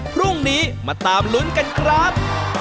พรุ่งนี้มาตามลุ้นกันครับ